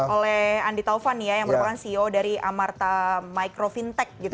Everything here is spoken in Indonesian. oleh andi taufan ya yang merupakan ceo dari amarta micro fintech gitu